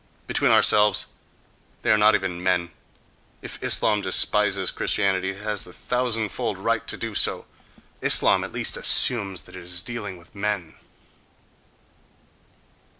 Between ourselves, they are not even men.... If Islam despises Christianity, it has a thousandfold right to do so: Islam at least assumes that it is dealing with men....